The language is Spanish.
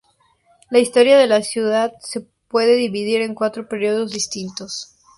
La historia de la ciudad se puede dividir en cuatro periodos distintos.